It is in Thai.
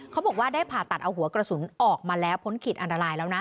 เขาบอกว่าได้ผ่าตัดเอาหัวกระสุนออกมาแล้วพ้นขีดอันตรายแล้วนะ